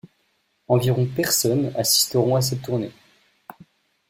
Environ personnes assisteront à cette tournée.